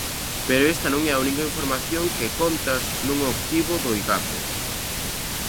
Pero esta non é a única información que Contas non obtivo do Igape.